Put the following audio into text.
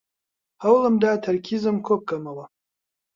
هەوڵم دا تەرکیزم کۆبکەمەوە.